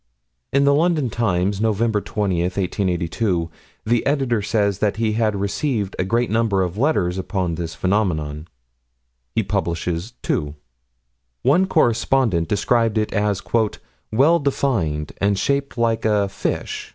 In the London Times, Nov. 20, 1882, the Editor says that he had received a great number of letters upon this phenomenon. He publishes two. One correspondent describes it as "well defined and shaped like a fish...